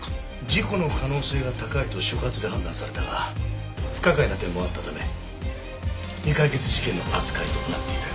事故の可能性が高いと所轄で判断されたが不可解な点もあったため未解決事件の扱いとなっていたようだ。